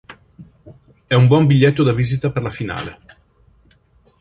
È un buon biglietto da visita per la finale.